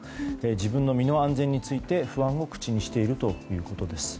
自分の身の安全について不安を口にしているということです。